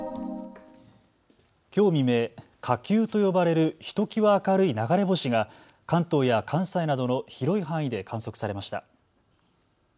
きょう未明、火球と呼ばれるひときわ明るい流れ星が関東や関西などの広い範囲で観測されました。